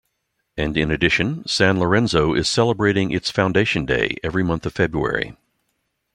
And in addition, San Lorenzo is celebrating its Foundation Day every month of February.